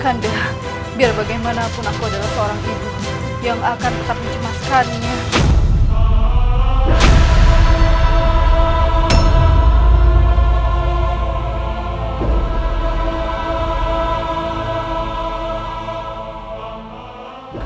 biar bagaimanapun aku adalah seorang ibu yang akan tetap dicemaskannya